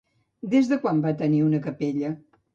Des de quan va tenir una capella?